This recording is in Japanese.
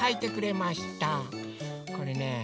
これねえ。